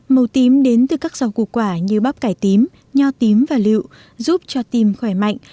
màu tím đến từ các rau củ quả như bắp cải tím nho tím và liệu giúp cho tim khỏe mạnh